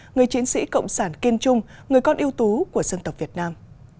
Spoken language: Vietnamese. người chiến sĩ cộng sản kiên trung người con yêu tú của dân tộc việt nam